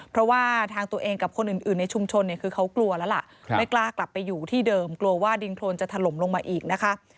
เพราะว่าทางตัวเองกับคนอื่นในชุมชนเนี่ยคือเขากลัวแล้วล่ะไม่กล้ากลับไปอยู่ที่เดิมกลัวว่าดินโครนจะถล่มลงมาอีกนะคะ